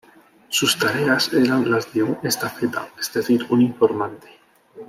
Sus tareas eran las de un estafeta, es decir, un informante.